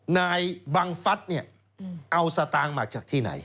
นายบังฟัดเอาสตางค์มาจากที่ไหน